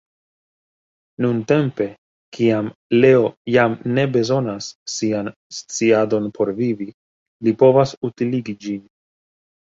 Nuntempe, kiam Leo jam ne bezonas sian sciadon por vivi, li povas utiligi ĝin.